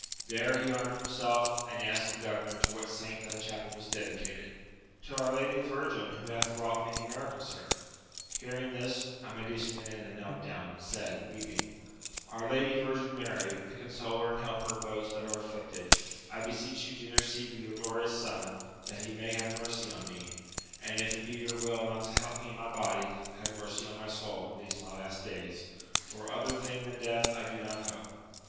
There he armed himself, and asked the gover nor to what saint that chapel was dedicated.— To our Lady the Virgin, who hath wrought many miracles here. Hearing this, Amadis went in and knelt down, and said, weeping, Our Lady Virgin Mary, the consoler AMADIS OF GAUL 267 and helper of those that are afflicted, I beseech yoif to intercede with your glorious Son, that he may have mercy on me ; and if it be your will not to help me in my body, hav« mercy on my soul in these my last days, for other thing than death I do not hope.